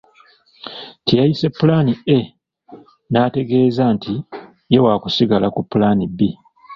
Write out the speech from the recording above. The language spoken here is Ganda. Kye yayise pulaani A n'ategeeza nti ye waakusigala ku pulaani B.